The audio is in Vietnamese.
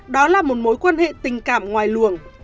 đó là một mối quan hệ tình cảm ngoài luồng